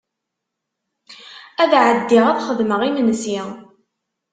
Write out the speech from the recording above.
Ad ɛeddiɣ ad xedmeɣ imensi.